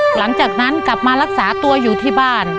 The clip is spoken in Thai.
หลังจากนั้นกลับมารักษาตัวอยู่ที่บ้าน